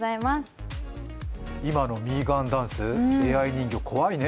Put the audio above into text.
今のミーガンダンス、ＡＩ人形怖いね。